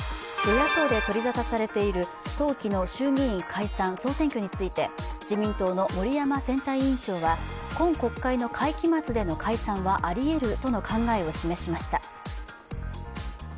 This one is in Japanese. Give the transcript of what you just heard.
与野党で取り沙汰されている早期の衆議院解散・総選挙について自民党の森山選対委員長は今国会の会期末での解散はあり得るとの考えを示しました。